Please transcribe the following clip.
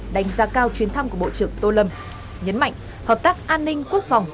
đánh giá cao chuyến thăm của bộ trưởng tô lâm nhấn mạnh hợp tác an ninh quốc phòng